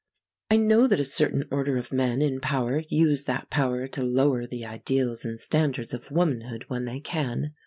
I know that a certain order of men in power use that power to lower the ideals and standards of womanhood when they can.